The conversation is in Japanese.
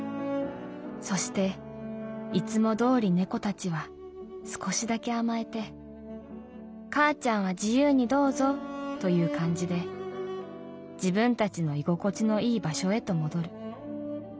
そしていつもどおり猫たちは少しだけ甘えて『かあちゃんは自由にどうぞ』という感じで自分たちの居心地のいい場所へと戻る。